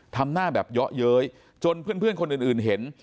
ทำหน้าแบบเยาะเย้ยจนเพื่อนคนอื่นเห็น